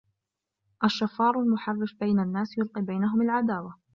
الشَّفَّارُ الْمُحَرِّشُ بَيْنَ النَّاسِ يُلْقِي بَيْنَهُمْ الْعَدَاوَةَ